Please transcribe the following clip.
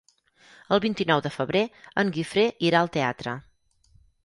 El vint-i-nou de febrer en Guifré irà al teatre.